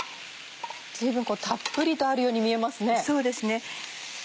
随分たっぷりとあるように見えますね。